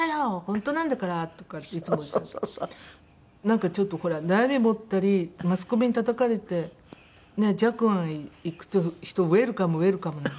なんかちょっとほら悩み持ったりマスコミにたたかれて寂庵へ行くとウェルカムウェルカムなの。